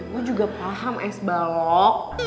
gue juga paham es balok